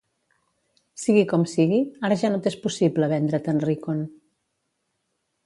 Sigui com sigui, ara ja no t'és possible vendre't en Rickon.